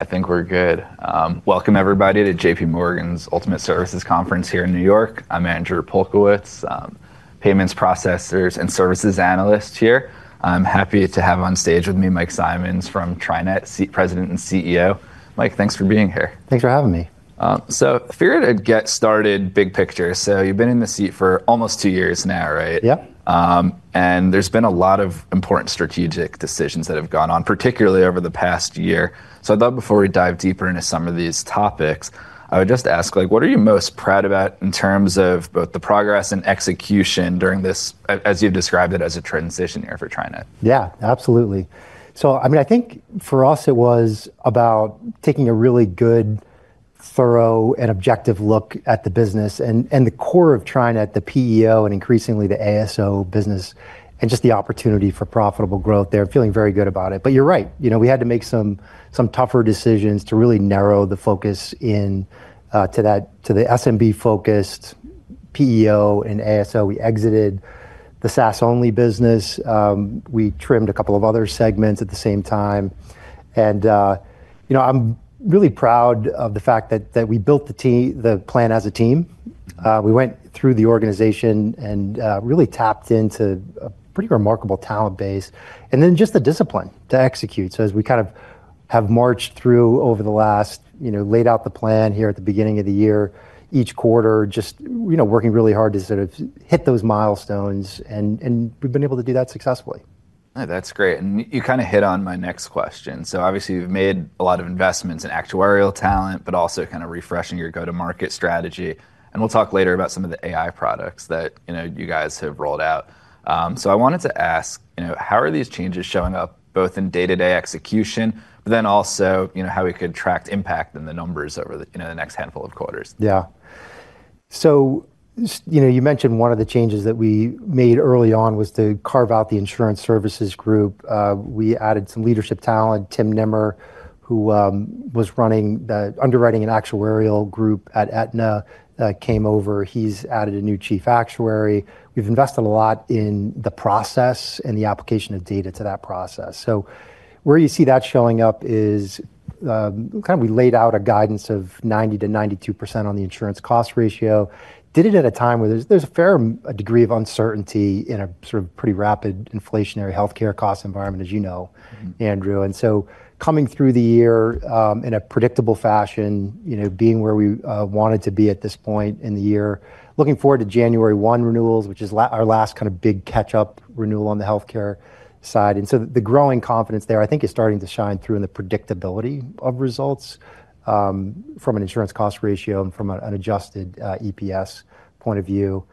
I think we're good. Welcome, everybody, to JPMorgan's Ultimate Services Conference here in New York. I'm Andrew Polkowitz, Payments Processors and Services Analyst here. I'm happy to have on stage with me Mike Simonds from TriNet, President and CEO. Mike, thanks for being here. Thanks for having me. If we were to get started, big picture. You've been in the seat for almost two years now, right? Yep. There has been a lot of important strategic decisions that have gone on, particularly over the past year. I thought before we dive deeper into some of these topics, I would just ask, what are you most proud about in terms of both the progress and execution during this, as you have described it, as a transition year for TriNet? Yeah, absolutely. I mean, I think for us, it was about taking a really good, thorough, and objective look at the business and the core of TriNet, the PEO, and increasingly the ASO business, and just the opportunity for profitable growth there, and feeling very good about it. You're right. We had to make some tougher decisions to really narrow the focus to the SMB-focused PEO and ASO. We exited the SaaS-only business. We trimmed a couple of other segments at the same time. I'm really proud of the fact that we built the plan as a team. We went through the organization and really tapped into a pretty remarkable talent base. Then just the discipline to execute. As we kind of have marched through over the last, laid out the plan here at the beginning of the year, each quarter, just working really hard to sort of hit those milestones. We have been able to do that successfully. That's great. You kind of hit on my next question. Obviously, you've made a lot of investments in actuarial talent, but also kind of refreshing your go-to-market strategy. We'll talk later about some of the AI products that you guys have rolled out. I wanted to ask, how are these changes showing up both in day-to-day execution, but then also how we could track impact in the numbers over the next handful of quarters? Yeah. You mentioned one of the changes that we made early on was to carve out the insurance services group. We added some leadership talent. Tim Nimmer, who was running the underwriting and actuarial group at Aetna, came over. He's added a new chief actuary. We've invested a lot in the process and the application of data to that process. Where you see that showing up is kind of we laid out a guidance of 90%-92% on the insurance cost ratio, did it at a time where there's a fair degree of uncertainty in a sort of pretty rapid inflationary health care cost environment, as you know, Andrew. Coming through the year in a predictable fashion, being where we wanted to be at this point in the year, looking forward to January 1 renewals, which is our last kind of big catch-up renewal on the health care side. The growing confidence there, I think, is starting to shine through in the predictability of results from an insurance cost ratio and from an adjusted EPS point of view.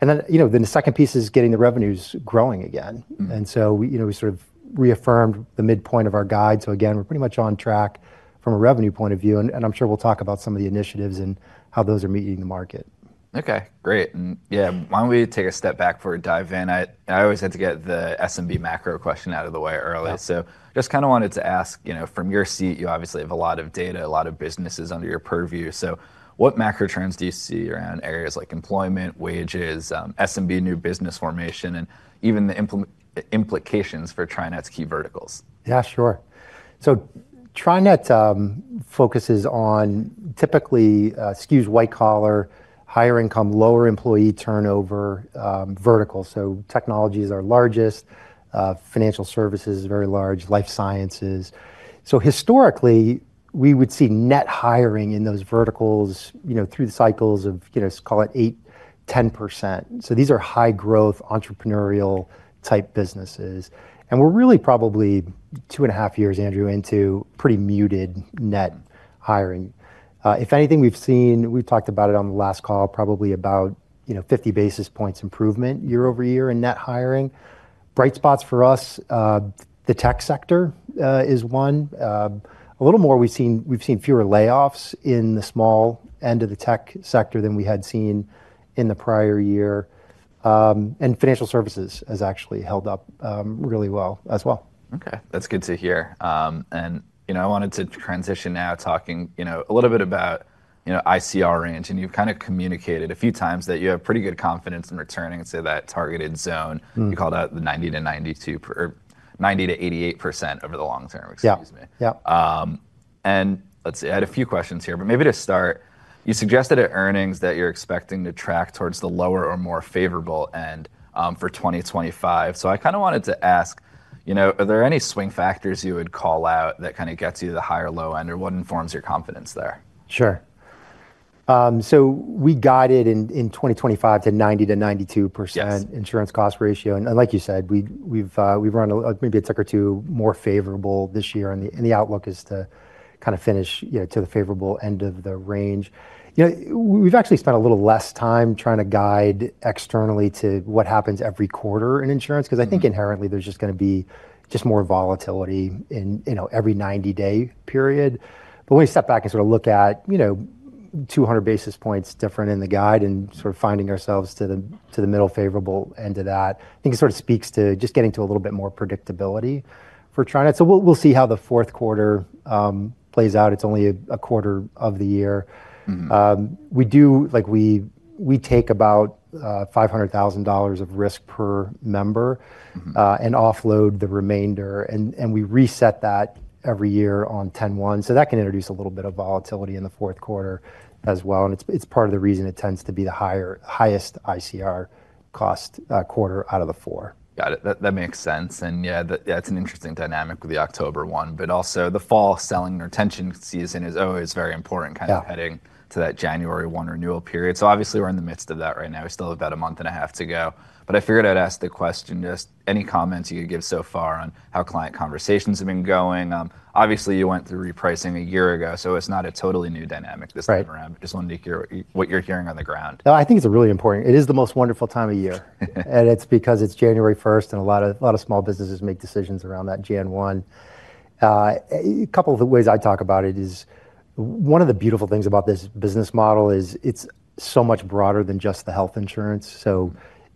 The second piece is getting the revenues growing again. We sort of reaffirmed the midpoint of our guide. Again, we're pretty much on track from a revenue point of view. I'm sure we'll talk about some of the initiatives and how those are meeting the market. OK, great. Yeah, why don't we take a step back for a dive in? I always had to get the SMB macro question out of the way early. Just kind of wanted to ask, from your seat, you obviously have a lot of data, a lot of businesses under your purview. What macro trends do you see around areas like employment, wages, SMB new business formation, and even the implications for TriNet's key verticals? Yeah, sure. TriNet focuses on typically SKUs, white-collar, higher income, lower employee turnover verticals. Technology is our largest. Financial services is very large. Life sciences. Historically, we would see net hiring in those verticals through the cycles of, call it, 8%-10%. These are high-growth entrepreneurial-type businesses. We are really probably two and a half years, Andrew, into pretty muted net hiring. If anything, we've seen, we've talked about it on the last call, probably about 50 basis points improvement year-over-year in net hiring. Bright spots for us, the tech sector is one. A little more, we've seen fewer layoffs in the small end of the tech sector than we had seen in the prior year. Financial services has actually held up really well as well. OK, that's good to hear. I wanted to transition now talking a little bit about ICR range. You've kind of communicated a few times that you have pretty good confidence in returning to that targeted zone. You called out the 90%-88% over the long term, excuse me. Yeah. Let's see. I had a few questions here. Maybe to start, you suggested at earnings that you're expecting to track towards the lower or more favorable end for 2025. I kind of wanted to ask, are there any swing factors you would call out that kind of get you to the higher low end, or what informs your confidence there? Sure. We guided in 2025 to 90%-92% insurance cost ratio. Like you said, we've run maybe a tick or two more favorable this year. The outlook is to kind of finish to the favorable end of the range. We've actually spent a little less time trying to guide externally to what happens every quarter in insurance, because I think inherently there's just going to be more volatility in every 90-day period. When we step back and sort of look at 200 basis points different in the guide and sort of finding ourselves to the middle favorable end of that, I think it sort of speaks to just getting to a little bit more predictability for TriNet. We'll see how the fourth quarter plays out. It's only a quarter of the year. We take about $500,000 of risk per member and offload the remainder. We reset that every year on 10/1. That can introduce a little bit of volatility in the fourth quarter as well. It is part of the reason it tends to be the highest ICR cost quarter out of the four. Got it. That makes sense. Yeah, that's an interesting dynamic with the October one. Also, the fall selling retention season is always very important, kind of heading to that January 1 renewal period. Obviously, we're in the midst of that right now. We still have about a month and a half to go. I figured I'd ask the question, just any comments you could give so far on how client conversations have been going. Obviously, you went through repricing a year ago. It's not a totally new dynamic this time around. Just wanted to hear what you're hearing on the ground. No, I think it's really important. It is the most wonderful time of year. It is because it's January 1. A lot of small businesses make decisions around that January 1. A couple of ways I talk about it is one of the beautiful things about this business model is it's so much broader than just the health insurance.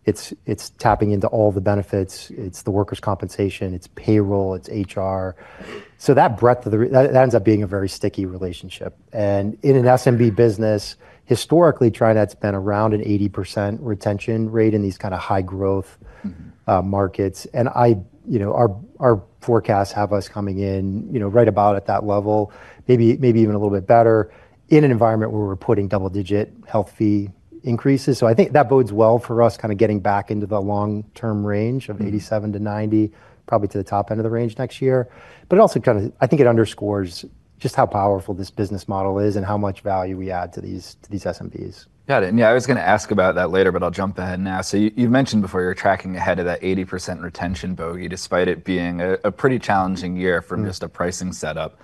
It is tapping into all the benefits. It is the workers' compensation. It is payroll. It is HR. That breadth, that ends up being a very sticky relationship. In an SMB business, historically, TriNet's been around an 80% retention rate in these kind of high-growth markets. Our forecasts have us coming in right about at that level, maybe even a little bit better, in an environment where we're putting double-digit health fee increases. I think that bodes well for us, kind of getting back into the long-term range of 87%-90%, probably to the top end of the range next year. It also kind of, I think, underscores just how powerful this business model is and how much value we add to these SMBs. Got it. Yeah, I was going to ask about that later, but I'll jump ahead now. You've mentioned before you're tracking ahead of that 80% retention bogey, despite it being a pretty challenging year from just a pricing setup.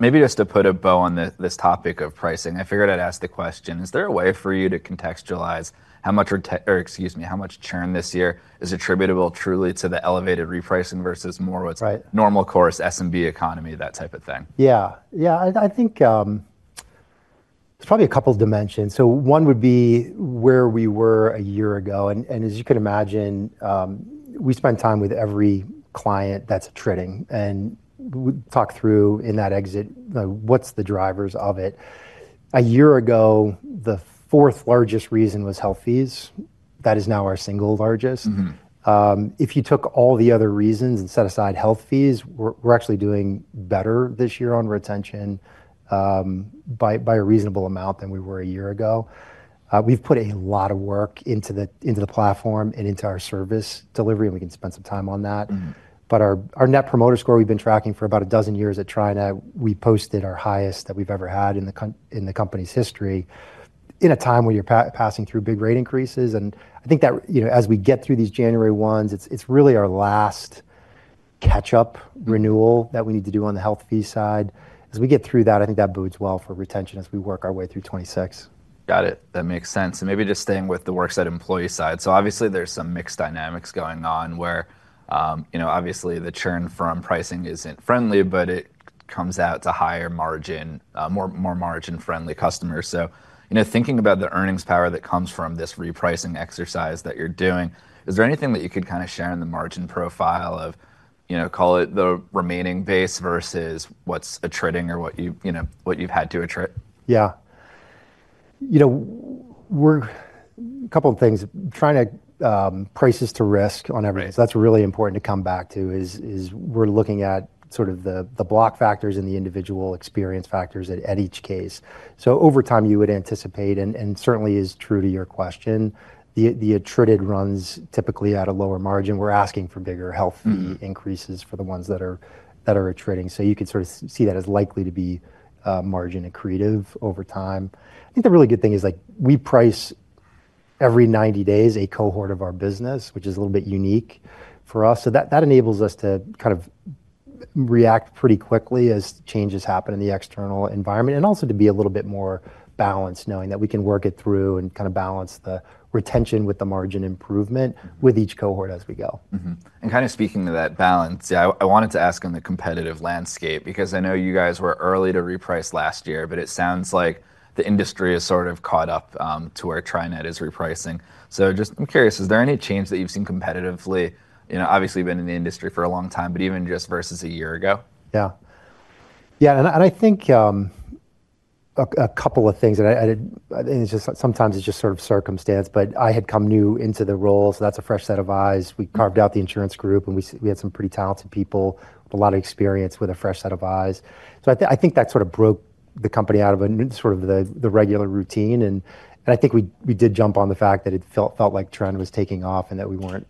Maybe just to put a bow on this topic of pricing, I figured I'd ask the question, is there a way for you to contextualize how much churn this year is attributable truly to the elevated repricing versus more what's normal course, SMB economy, that type of thing? Yeah. Yeah, I think there's probably a couple of dimensions. One would be where we were a year ago. As you can imagine, we spend time with every client that's a trading. We talk through in that exit, what's the drivers of it. A year ago, the fourth largest reason was health fees. That is now our single largest. If you took all the other reasons and set aside health fees, we're actually doing better this year on retention by a reasonable amount than we were a year ago. We've put a lot of work into the platform and into our service delivery. We can spend some time on that. Our net promoter score, we've been tracking for about a dozen years at TriNet. We posted our highest that we've ever had in the company's history in a time when you're passing through big rate increases. I think that as we get through these January 1s, it's really our last catch-up renewal that we need to do on the health fee side. As we get through that, I think that bodes well for retention as we work our way through 26. Got it. That makes sense. Maybe just staying with the worksite employee side. Obviously, there's some mixed dynamics going on, where obviously, the churn from pricing isn't friendly, but it comes out to higher margin, more margin-friendly customers. Thinking about the earnings power that comes from this repricing exercise that you're doing, is there anything that you could kind of share in the margin profile of, call it the remaining base versus what's trading or what you've had to trade? Yeah. A couple of things. Price to risk on everything. That is really important to come back to, is we are looking at sort of the block factors and the individual experience factors at each case. Over time, you would anticipate, and certainly it is true to your question, the attributed runs typically at a lower margin. We are asking for bigger health fee increases for the ones that are trading. You could sort of see that as likely to be margin accretive over time. I think the really good thing is we price every 90 days a cohort of our business, which is a little bit unique for us. That enables us to kind of react pretty quickly as changes happen in the external environment, and also to be a little bit more balanced, knowing that we can work it through and kind of balance the retention with the margin improvement with each cohort as we go. Kind of speaking to that balance, I wanted to ask on the competitive landscape, because I know you guys were early to reprice last year. It sounds like the industry has sort of caught up to where TriNet is repricing. I am curious, is there any change that you've seen competitively? Obviously, you've been in the industry for a long time, but even just versus a year ago? Yeah. Yeah, and I think a couple of things. Sometimes it's just sort of circumstance. I had come new into the role, so that's a fresh set of eyes. We carved out the insurance group, and we had some pretty talented people with a lot of experience with a fresh set of eyes. I think that sort of broke the company out of the regular routine. I think we did jump on the fact that it felt like trend was taking off and that we weren't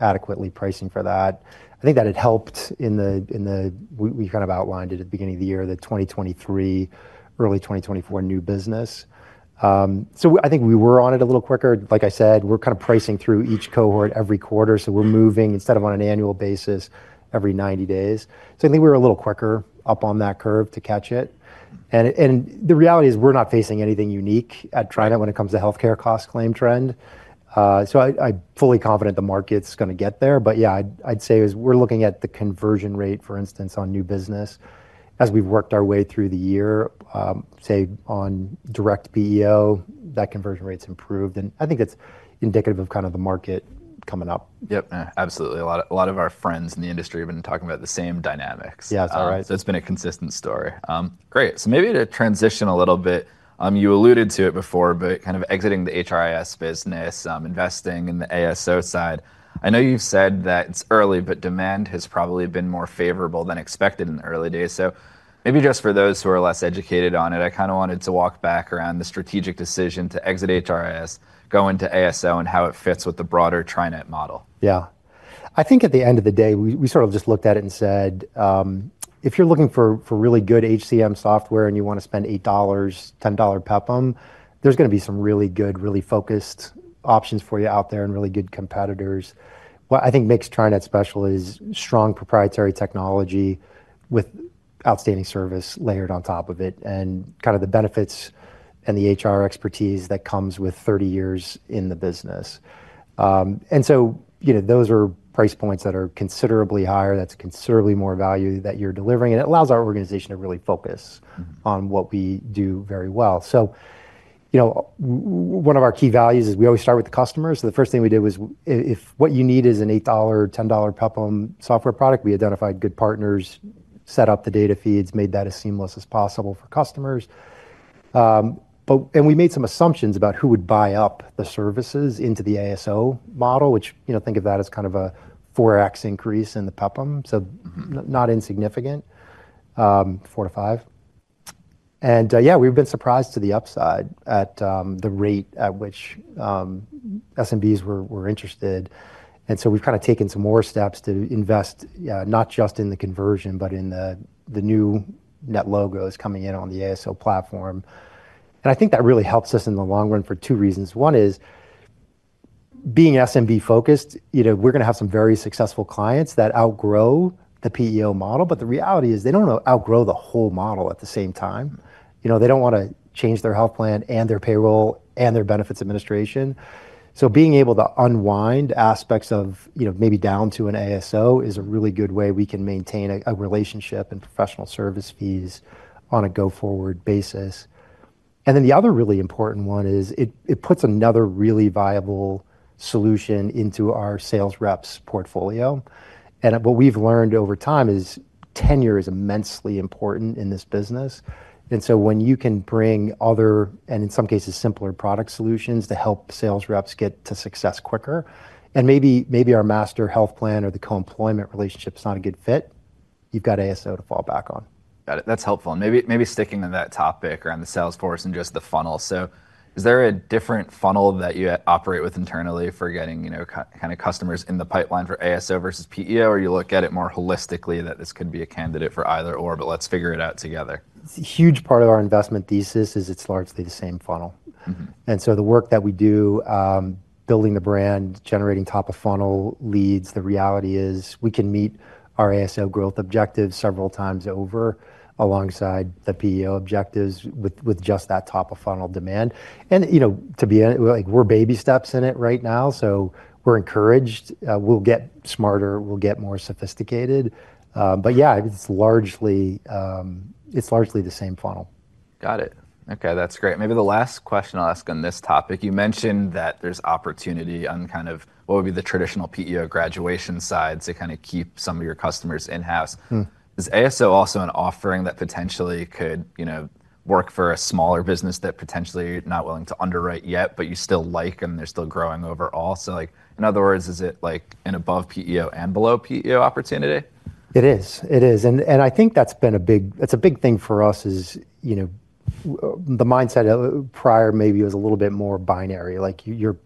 adequately pricing for that. I think that had helped in the we kind of outlined it at the beginning of the year, the 2023, early 2024 new business. I think we were on it a little quicker. Like I said, we're kind of pricing through each cohort every quarter. We're moving, instead of on an annual basis, every 90 days. I think we were a little quicker up on that curve to catch it. The reality is we're not facing anything unique at TriNet when it comes to health care cost claim trend. I'm fully confident the market's going to get there. Yeah, I'd say we're looking at the conversion rate, for instance, on new business. As we've worked our way through the year, say, on direct PEO, that conversion rate's improved. I think that's indicative of kind of the market coming up. Yep, absolutely. A lot of our friends in the industry have been talking about the same dynamics. Yeah, that's all right. It's been a consistent story. Great. Maybe to transition a little bit, you alluded to it before, but kind of exiting the HRIS business, investing in the ASO side. I know you've said that it's early, but demand has probably been more favorable than expected in the early days. Maybe just for those who are less educated on it, I kind of wanted to walk back around the strategic decision to exit HRIS, go into ASO, and how it fits with the broader TriNet model. Yeah. I think at the end of the day, we sort of just looked at it and said, if you're looking for really good HCM software and you want to spend $8-$10 pepm, there's going to be some really good, really focused options for you out there and really good competitors. What I think makes TriNet special is strong proprietary technology with outstanding service layered on top of it, and kind of the benefits and the HR expertise that comes with 30 years in the business. Those are price points that are considerably higher. That's considerably more value that you're delivering. It allows our organization to really focus on what we do very well. One of our key values is we always start with the customers. The first thing we did was if what you need is an $8-$10 pepm software product, we identified good partners, set up the data feeds, made that as seamless as possible for customers. We made some assumptions about who would buy up the services into the ASO model, which, think of that as kind of a 4x increase in the pepm, so not insignificant, 4-5. Yeah, we've been surprised to the upside at the rate at which SMBs were interested. We've kind of taken some more steps to invest not just in the conversion, but in the new NetLogos coming in on the ASO platform. I think that really helps us in the long run for two reasons. One is being SMB-focused, we're going to have some very successful clients that outgrow the PEO model. The reality is they don't outgrow the whole model at the same time. They don't want to change their health plan and their payroll and their benefits administration. Being able to unwind aspects of maybe down to an ASO is a really good way we can maintain a relationship and professional service fees on a go-forward basis. The other really important one is it puts another really viable solution into our sales reps portfolio. What we've learned over time is tenure is immensely important in this business. When you can bring other, and in some cases, simpler product solutions to help sales reps get to success quicker, and maybe our master health plan or the co-employment relationship's not a good fit, you've got ASO to fall back on. Got it. That's helpful. Maybe sticking to that topic around the Salesforce and just the funnel. Is there a different funnel that you operate with internally for getting kind of customers in the pipeline for ASO versus PEO, or do you look at it more holistically that this could be a candidate for either/or? Let's figure it out together. A huge part of our investment thesis is it's largely the same funnel. The work that we do, building the brand, generating top-of-funnel leads, the reality is we can meet our ASO growth objectives several times over alongside the PEO objectives with just that top-of-funnel demand. To be honest, we're baby steps in it right now. We're encouraged. We'll get smarter. We'll get more sophisticated. Yeah, it's largely the same funnel. Got it. OK, that's great. Maybe the last question I'll ask on this topic. You mentioned that there's opportunity on kind of what would be the traditional PEO graduation side to kind of keep some of your customers in-house. Is ASO also an offering that potentially could work for a smaller business that potentially you're not willing to underwrite yet, but you still like them, they're still growing overall? In other words, is it an above PEO and below PEO opportunity? It is. It is. I think that's been a big thing for us, is the mindset prior maybe was a little bit more binary. Like you're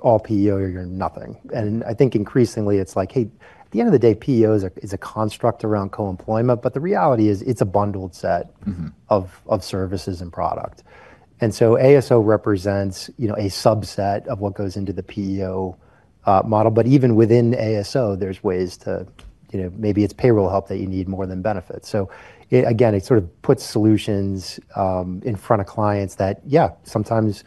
all PEO or you're nothing. I think increasingly, it's like, hey, at the end of the day, PEO is a construct around co-employment. The reality is it's a bundled set of services and product. ASO represents a subset of what goes into the PEO model. Even within ASO, there's ways to, maybe it's payroll help that you need more than benefits. Again, it sort of puts solutions in front of clients that, yeah, sometimes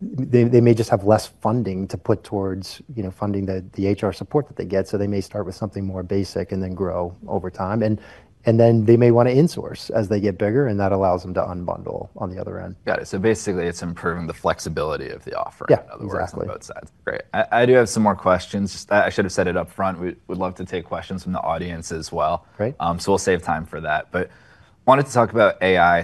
they may just have less funding to put towards funding the HR support that they get. They may start with something more basic and then grow over time. They may want to insource as they get bigger. That allows them to unbundle on the other end. Got it. So basically, it's improving the flexibility of the offer, in other words, on both sides. Great. I do have some more questions. I should have said it up front. We'd love to take questions from the audience as well. We'll save time for that. I wanted to talk about AI.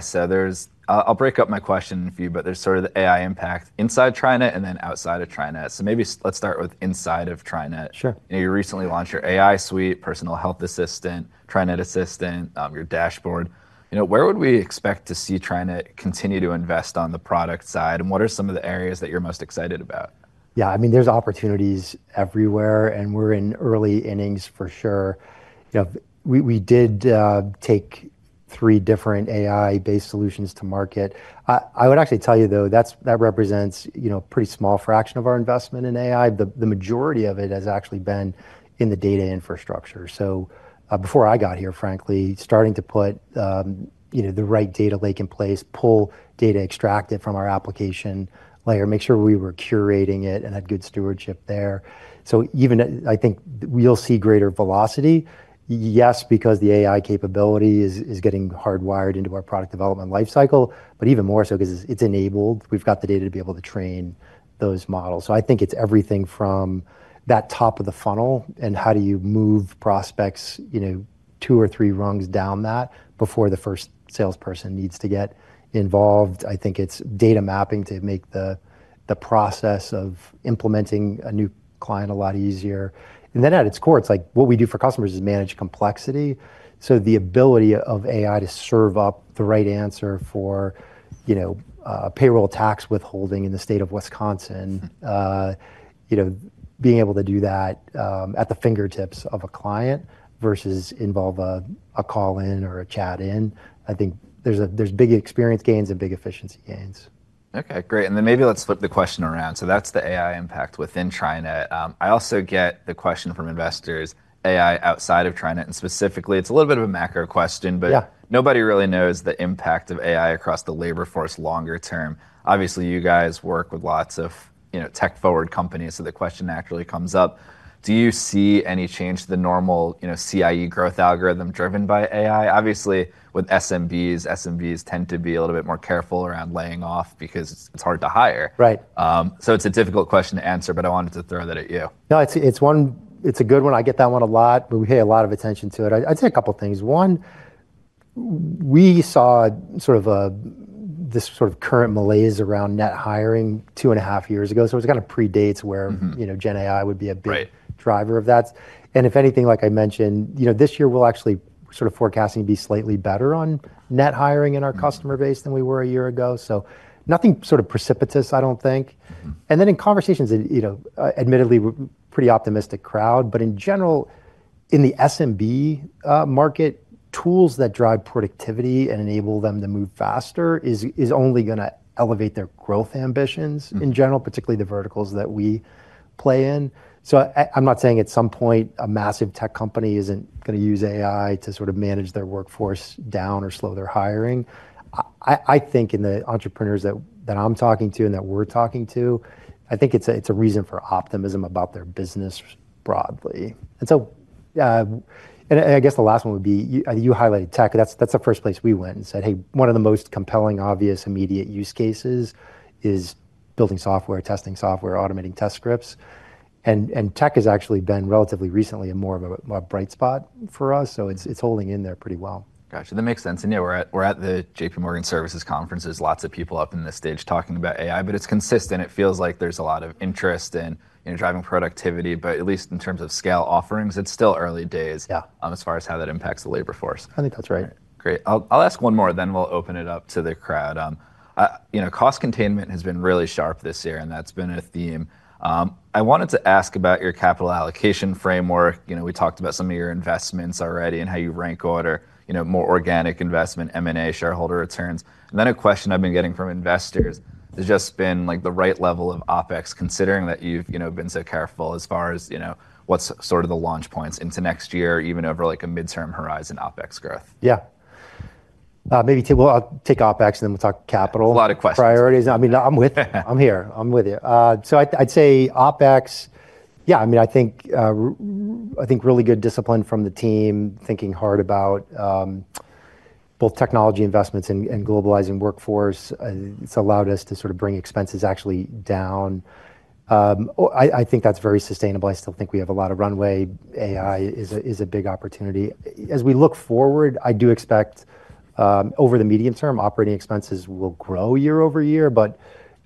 I'll break up my question for you. There's sort of the AI impact inside TriNet and then outside of TriNet. Maybe let's start with inside of TriNet. Sure. You recently launched your AI suite, Personal Health Assistant, TriNet Assistant, your dashboard. Where would we expect to see TriNet continue to invest on the product side? What are some of the areas that you're most excited about? Yeah, I mean, there's opportunities everywhere. And we're in early innings for sure. We did take three different AI-based solutions to market. I would actually tell you, though, that represents a pretty small fraction of our investment in AI. The majority of it has actually been in the data infrastructure. So before I got here, frankly, starting to put the right data lake in place, pull data, extract it from our application layer, make sure we were curating it and had good stewardship there. So even I think you'll see greater velocity. Yes, because the AI capability is getting hardwired into our product development lifecycle, but even more so because it's enabled. We've got the data to be able to train those models. I think it's everything from that top of the funnel and how do you move prospects two or three rungs down that before the first salesperson needs to get involved. I think it's data mapping to make the process of implementing a new client a lot easier. At its core, it's like what we do for customers is manage complexity. The ability of AI to serve up the right answer for payroll tax withholding in the state of Wisconsin, being able to do that at the fingertips of a client versus involve a call-in or a chat-in, I think there's big experience gains and big efficiency gains. OK, great. Maybe let's flip the question around. That is the AI impact within TriNet. I also get the question from investors, AI outside of TriNet. Specifically, it is a little bit of a macro question. Nobody really knows the impact of AI across the labor force longer term. Obviously, you guys work with lots of tech-forward companies. The question naturally comes up, do you see any change to the normal CIE growth algorithm driven by AI? Obviously, with SMBs, SMBs tend to be a little bit more careful around laying off because it is hard to hire. Right. It's a difficult question to answer. I wanted to throw that at you. No, it's a good one. I get that one a lot. We pay a lot of attention to it. I'd say a couple of things. One, we saw sort of this sort of current malaise around net hiring two and a half years ago. It kind of predates where GenAI would be a big driver of that. If anything, like I mentioned, this year, we're actually sort of forecasting to be slightly better on net hiring in our customer base than we were a year ago. Nothing sort of precipitous, I don't think. In conversations, admittedly, we're a pretty optimistic crowd. In general, in the SMB market, tools that drive productivity and enable them to move faster is only going to elevate their growth ambitions in general, particularly the verticals that we play in. I'm not saying at some point a massive tech company isn't going to use AI to sort of manage their workforce down or slow their hiring. I think in the entrepreneurs that I'm talking to and that we're talking to, I think it's a reason for optimism about their business broadly. I guess the last one would be you highlighted tech. That's the first place we went and said, hey, one of the most compelling, obvious, immediate use cases is building software, testing software, automating test scripts. Tech has actually been relatively recently more of a bright spot for us. It's holding in there pretty well. Gotcha. That makes sense. Yeah, we're at the JPMorgan Services Conference. There are lots of people up on the stage talking about AI. It is consistent. It feels like there is a lot of interest in driving productivity. At least in terms of scale offerings, it is still early days as far as how that impacts the labor force. I think that's right. Great. I'll ask one more, then we'll open it up to the crowd. Cost containment has been really sharp this year. That's been a theme. I wanted to ask about your capital allocation framework. We talked about some of your investments already and how you rank order, more organic investment, M&A, shareholder returns. A question I've been getting from investors has just been the right level of OpEx, considering that you've been so careful as far as what's sort of the launch points into next year, even over a midterm horizon OpEx growth. Yeah. Maybe I'll take OpEx, and then we'll talk capital. A lot of questions. Priorities. I mean, I'm here. I'm with you. I'd say OpEx, yeah, I mean, I think really good discipline from the team, thinking hard about both technology investments and globalizing workforce. It's allowed us to sort of bring expenses actually down. I think that's very sustainable. I still think we have a lot of runway. AI is a big opportunity. As we look forward, I do expect over the medium term, operating expenses will grow year over-year.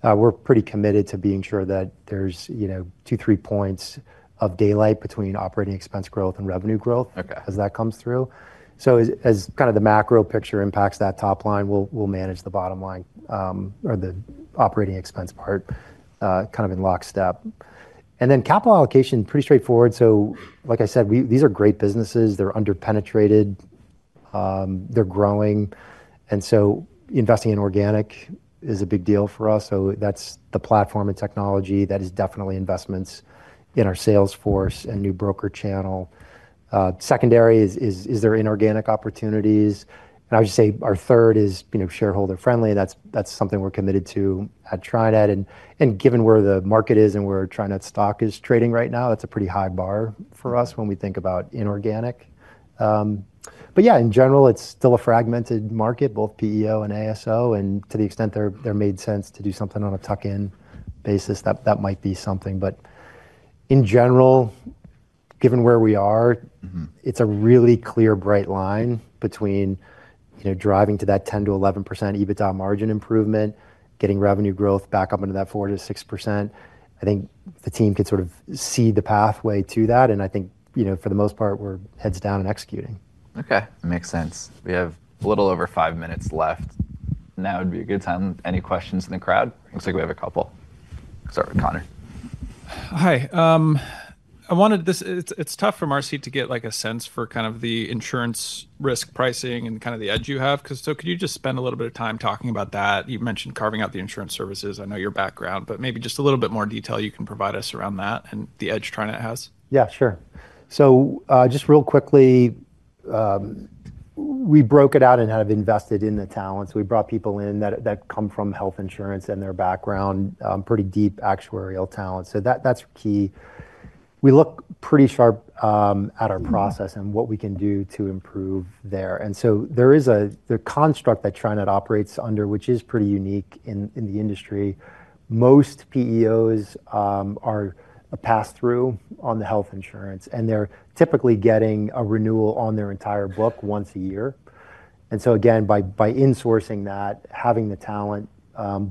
We're pretty committed to being sure that there's two-three points of daylight between operating expense growth and revenue growth as that comes through. As kind of the macro picture impacts that top line, we'll manage the bottom line or the operating expense part kind of in lockstep. Capital allocation, pretty straightforward. Like I said, these are great businesses. They're under-penetrated. They're growing. Investing in organic is a big deal for us. That is the platform and technology. That is definitely investments in our sales force and new broker channel. Secondary is there inorganic opportunities? I would just say our third is shareholder friendly. That is something we are committed to at TriNet. Given where the market is and where TriNet stock is trading right now, that is a pretty high bar for us when we think about inorganic. In general, it is still a fragmented market, both PEO and ASO. To the extent there made sense to do something on a tuck-in basis, that might be something. In general, given where we are, it is a really clear, bright line between driving to that 10%-11% EBITDA margin improvement, getting revenue growth back up into that 4%-6%. I think the team could sort of see the pathway to that. I think for the most part, we're heads down and executing. OK, makes sense. We have a little over five minutes left. Now would be a good time. Any questions in the crowd? Looks like we have a couple. Start with Connor. Hi. It's tough for Marcie to get a sense for kind of the insurance risk pricing and kind of the edge you have. Could you just spend a little bit of time talking about that? You mentioned carving out the insurance services. I know your background. Maybe just a little bit more detail you can provide us around that and the edge TriNet has? Yeah, sure. Just real quickly, we broke it out and have invested in the talents. We brought people in that come from health insurance and their background, pretty deep actuarial talent. That's key. We look pretty sharp at our process and what we can do to improve there. There is a construct that TriNet operates under, which is pretty unique in the industry. Most PEOs are a pass-through on the health insurance. They're typically getting a renewal on their entire book once a year. By insourcing that, having the talent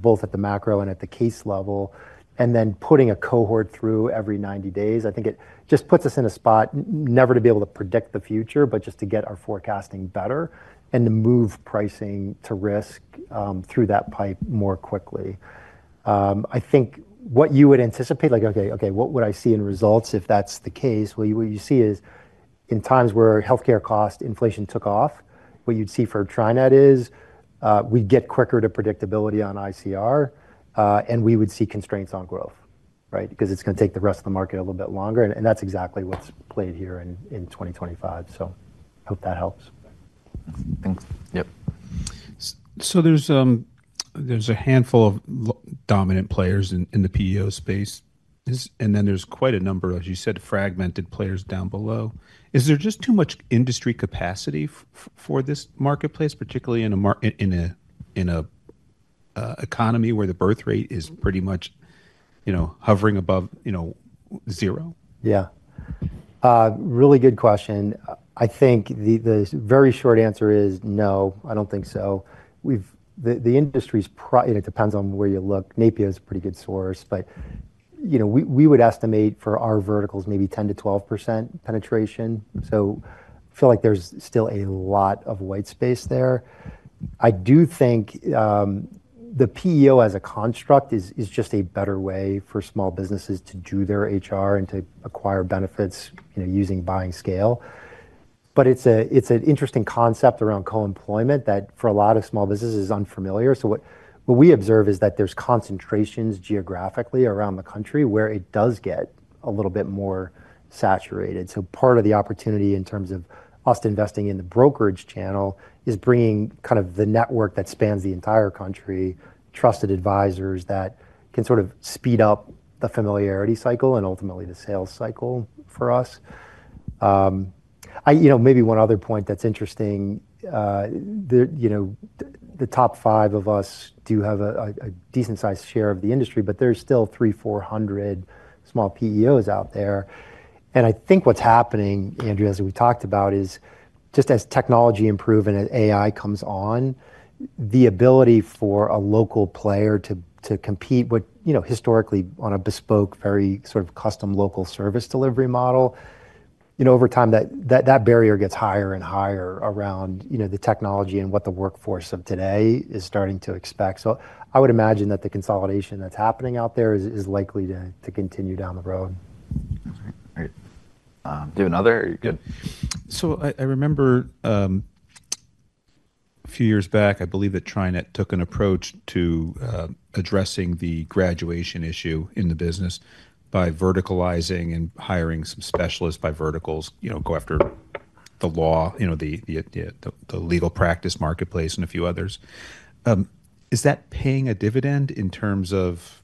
both at the macro and at the case level, and then putting a cohort through every 90 days, I think it just puts us in a spot never to be able to predict the future, but just to get our forecasting better and to move pricing to risk through that pipe more quickly. I think what you would anticipate, like, OK, what would I see in results if that's the case? What you see is in times where health care cost inflation took off, what you'd see for TriNet is we'd get quicker to predictability on ICR. We would see constraints on growth because it's going to take the rest of the market a little bit longer. That's exactly what's played here in 2025. I hope that helps. Thanks. Yep. There's a handful of dominant players in the PEO space. And then there's quite a number, as you said, fragmented players down below. Is there just too much industry capacity for this marketplace, particularly in an economy where the birth rate is pretty much hovering above zero? Yeah. Really good question. I think the very short answer is no, I don't think so. The industry's probably it depends on where you look. Napier is a pretty good source. We would estimate for our verticals maybe 10%-12% penetration. I feel like there's still a lot of white space there. I do think the PEO as a construct is just a better way for small businesses to do their HR and to acquire benefits using buying scale. It's an interesting concept around co-employment that for a lot of small businesses is unfamiliar. What we observe is that there's concentrations geographically around the country where it does get a little bit more saturated. Part of the opportunity in terms of us investing in the brokerage channel is bringing kind of the network that spans the entire country, trusted advisors that can sort of speed up the familiarity cycle and ultimately the sales cycle for us. Maybe one other point that's interesting, the top five of us do have a decent-sized share of the industry. There are still 300-400 small PEOs out there. I think what's happening, Andrew, as we talked about, is just as technology improves and as AI comes on, the ability for a local player to compete, historically on a bespoke, very sort of custom local service delivery model, over time that barrier gets higher and higher around the technology and what the workforce of today is starting to expect. I would imagine that the consolidation that's happening out there is likely to continue down the road. Great. Do another. Good. I remember a few years back, I believe that TriNet took an approach to addressing the graduation issue in the business by verticalizing and hiring some specialists by verticals, go after the law, the legal practice marketplace, and a few others. Is that paying a dividend in terms of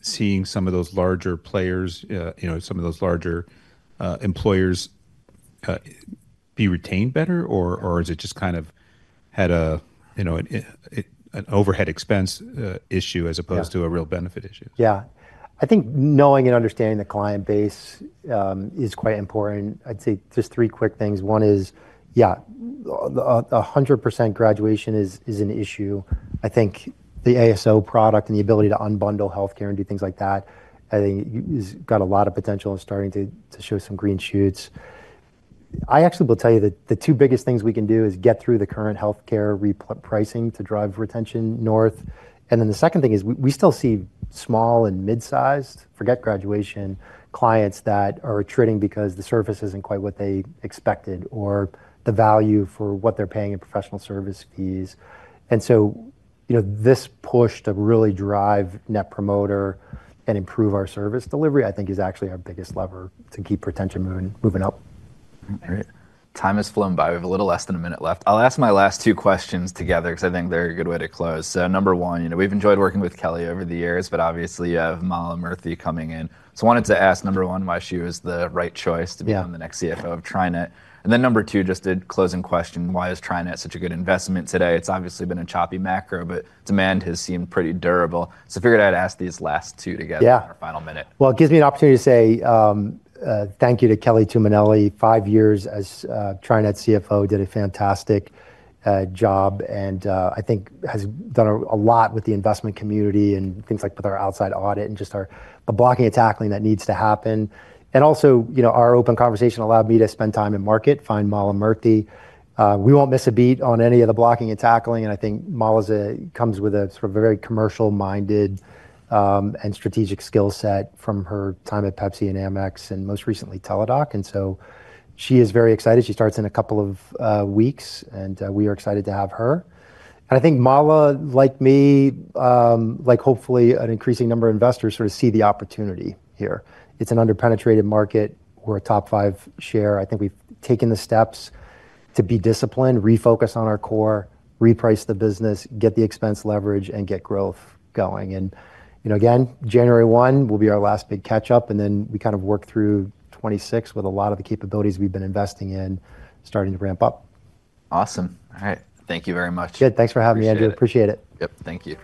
seeing some of those larger players, some of those larger employers be retained better? Or has it just kind of had an overhead expense issue as opposed to a real benefit issue? Yeah. I think knowing and understanding the client base is quite important. I'd say just three quick things. One is, yeah, 100% graduation is an issue. I think the ASO product and the ability to unbundle health care and do things like that, I think has got a lot of potential and starting to show some green shoots. I actually will tell you that the two biggest things we can do is get through the current health care pricing to drive retention north. The second thing is we still see small and mid-sized, forget graduation, clients that are retreating because the service isn't quite what they expected or the value for what they're paying in professional service fees. This push to really drive Net Promoter and improve our service delivery, I think, is actually our biggest lever to keep retention moving up. Great. Time has flown by. We have a little less than a minute left. I'll ask my last two questions together because I think they're a good way to close. Number one, we've enjoyed working with Kelly over the years. Obviously, you have Mala Murthy coming in. I wanted to ask, number one, why she was the right choice to become the next CFO of TriNet. Number two, just a closing question, why is TriNet such a good investment today? It's obviously been a choppy macro. Demand has seemed pretty durable. I figured I'd ask these last two together on our final minute. It gives me an opportunity to say thank you to Kelly Tuminelli. Five years as TriNet CFO did a fantastic job. I think has done a lot with the investment community and things like with our outside audit and just our blocking and tackling that needs to happen. Also, our open conversation allowed me to spend time in market, find Mala Murthy. We won't miss a beat on any of the blocking and tackling. I think Mala comes with a sort of very commercial-minded and strategic skill set from her time at PepsiCo and American Express and most recently Teladoc. She is very excited. She starts in a couple of weeks. We are excited to have her. I think Mala, like me, like hopefully an increasing number of investors, sort of see the opportunity here. It's an under-penetrated market. We're a top five share. I think we've taken the steps to be disciplined, refocus on our core, reprice the business, get the expense leverage, and get growth going. Again, January 1 will be our last big catch-up. We kind of work through 2026 with a lot of the capabilities we've been investing in starting to ramp up. Awesome. All right. Thank you very much. Good. Thanks for having me, Andrew. Appreciate it. Yep. Thank you.